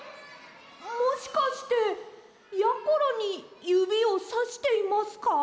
もしかしてやころにゆびをさしていますか？